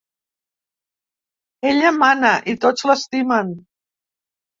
Ella mana i tots l’estimen.